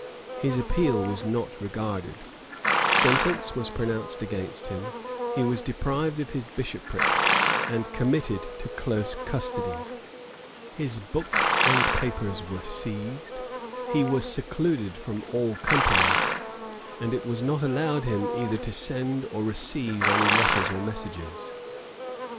His appeal was not regarded: sentence was pronounced against him; he was deprived of his bishopric, and committed to close custody; his books and papers were seized; he was secluded from all company; and it was not allowed him either to send or receive any letters or messages.